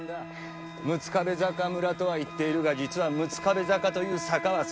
六壁坂村とは言っているが実は六壁坂という坂は存在しない。